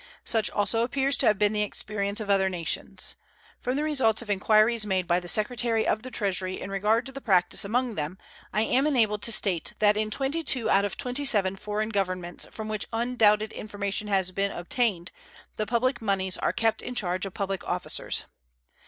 Such also appears to have been the experience of other nations. From the results of inquiries made by the Secretary of the Treasury in regard to the practice among them I am enabled to state that in twenty two out of twenty seven foreign governments from which undoubted information has been obtained the public moneys are kept in charge of public officers.